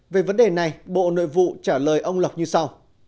về vấn đề này bộ nội vụ trả lời ông lộc như sau